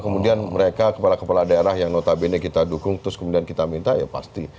kemudian mereka kepala kepala daerah yang notabene kita dukung terus kemudian kita minta ya pasti